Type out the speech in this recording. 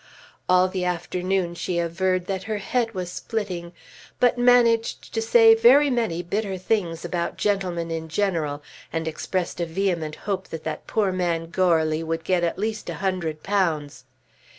All the afternoon she averred that her head was splitting, but managed to say many very bitter things about gentlemen in general, and expressed a vehement hope that that poor man Goarly would get at least a hundred pounds.